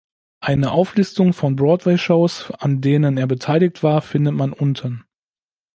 Eine Auflistung von Broadway-Shows, an denen er beteiligt war, findet man unten.